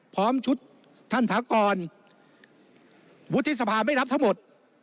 พร้อมชุดท่านถากรวุฒิสภาไม่รับทั้งหมด